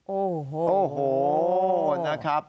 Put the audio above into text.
โอ้โหนะครับ